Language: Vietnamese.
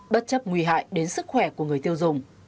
bất chấp nguy hại đến sức khỏe của người tiêu dùng